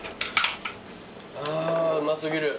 あうま過ぎる。